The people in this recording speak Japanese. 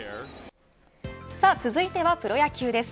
さあ、続いてはプロ野球です。